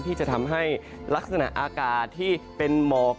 ที่จะทำให้ลักษณะอากาศที่เป็นหมอก